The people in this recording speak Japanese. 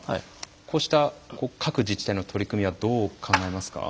こうした各自治体の取り組みはどう考えますか？